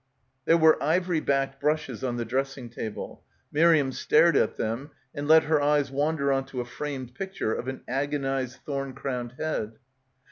There were ivory backed brushes on the dress ing table. Miriam stared at them and let her eyes wander on to a framed picture of an agonised thorn crowned head.